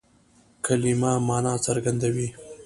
کلیمه مانا څرګندوي.